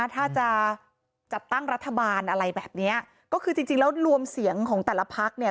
ถ้าจะจัดตั้งรัฐบาลอะไรแบบนี้ก็คือจริงแล้วรวมเสียงของแต่ละพักเนี่ย